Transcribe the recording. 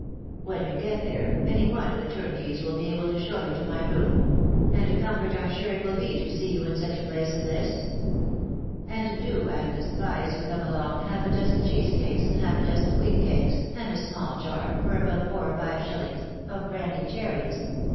When you get there, any of the turnkeys will be able to show you to my room ; and a comfort I'm sure it will be to see you in such a place as this. •.. And do, Agnes, buy as you come along, half a dozen cheesecakes and half a dozen queen cakes, and a small jar, for about four or .five shillings, of brandy cher ries